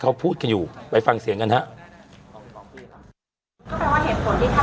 เขาพูดกันอยู่ไปฟังเสียงกันฮะเขาบอกว่าเหตุผลที่เขา